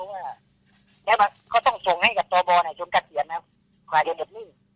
เนี้ยว่าเขาต้องส่งให้กับโตว์บอร์ไหนจงกล้าเดียนครับ